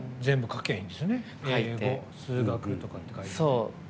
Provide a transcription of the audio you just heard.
英語、数学とかって書いてね。